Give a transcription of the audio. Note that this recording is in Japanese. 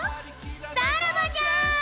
さらばじゃ！